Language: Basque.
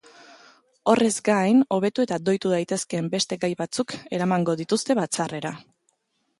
Horrez gain, hobetu eta doitu daitezkeen beste gai batzuk eramango dituzte batzarrera.